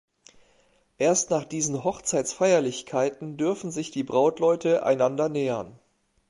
Erst nach diesen Hochzeitsfeierlichkeiten dürfen sich die Brautleute einander nähern.